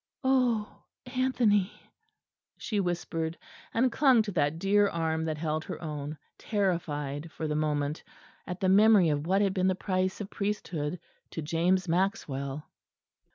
"Oh, Anthony," she whispered, and clung to that dear arm that held her own; terrified for the moment at the memory of what had been the price of priesthood to James Maxwell.